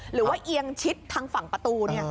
หรือว่าเอียงชิดทางฝั่งประตูนี่